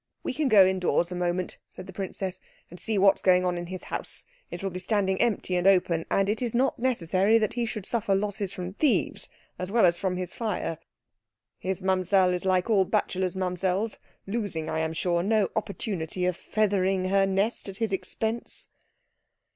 "We can go indoors a moment," said the princess, "and see what is going on in his house. It will be standing empty and open, and it is not necessary that he should suffer losses from thieves as well as from fire. His Mamsell is like all bachelors' Mamsells losing, I am sure, no opportunity of feathering her nest at his expense."